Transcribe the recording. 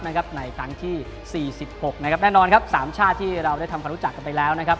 ในครั้งที่๔๖แน่นอน๓ชาติที่เราได้ทำความรู้จักกันไปแล้ว